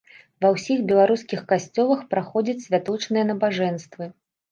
Ва ўсіх беларускіх касцёлах праходзяць святочныя набажэнствы.